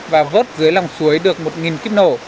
và vớt dưới lòng suối được một kiếp nổ